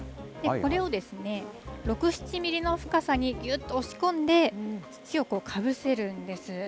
これを６、７ミリの深さにぎゅっと押し込んで、土をかぶせるんです。